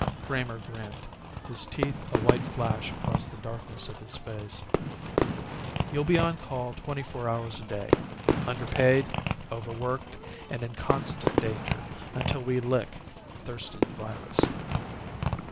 Kramer grinned, his teeth a white flash across the darkness of his face. "You'll be on call twenty four hours a day, underpaid, overworked, and in constant danger until we lick Thurston's virus.